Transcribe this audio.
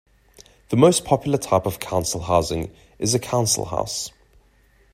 The most popular type of council housing is a council house